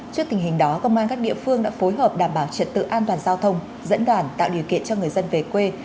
trước tình hình đó công an các địa phương đã phối hợp đảm bảo trật tự an toàn giao thông dẫn đoàn tạo điều kiện cho người dân về quê